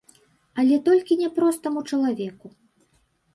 Але толькі не простаму чалавеку.